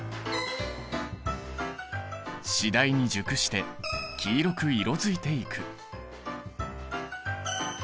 次第に熟して黄色く色づいていく。